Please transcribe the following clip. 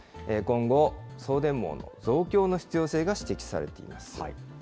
今後、送電網の増強の必要性が指摘されています。